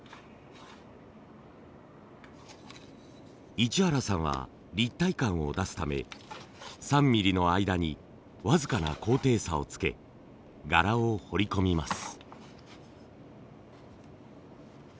市原さんは立体感を出すため３ミリの間に僅かな高低差をつけ柄を彫り込みます。